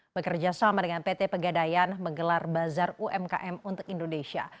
bekerja sama dengan pt pegadayan menggelar bazar umkm untuk indonesia